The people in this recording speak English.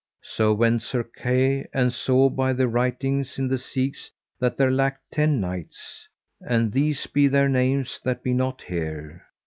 So went Sir Kay and saw by the writings in the sieges that there lacked ten knights. And these be their names that be not here.